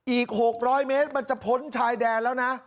อีก๖๐๐เมตรมันจะพ้นชายแดนแล้วนะ